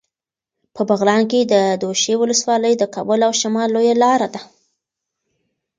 په بغلان کې د دوشي ولسوالي د کابل او شمال لویه لاره ده.